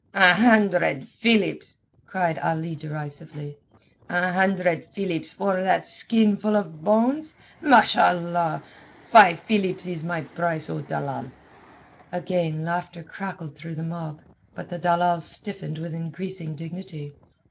"A hundred philips!" cried Ali derisively. "A hundred philips for that skinful of bones! Ma'sh' Allah! Five philips is my price, O dalal." Again laughter crackled through the mob. But the dalal stiffened with increasing dignity.